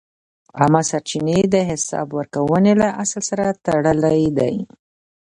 عامه سرچینې د حساب ورکونې له اصل سره تړلې دي.